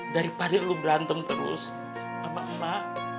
daripada lo merantem terus sama mbak